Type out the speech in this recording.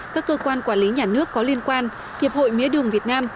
các cơ quan quản lý nhà nước có liên quan hiệp hội mía đường việt nam